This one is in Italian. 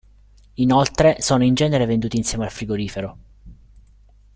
Inoltre, sono in genere venduti insieme al frigorifero.